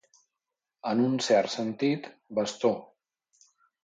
En un cert sentit, bastó.